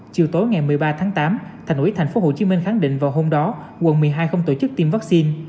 chiều tối ngày một mươi ba tháng tám thành ủy tp hcm khẳng định vào hôm đó quận một mươi hai không tổ chức tiêm vaccine